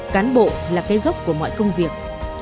cán bộ là cây gốc của mọi công việc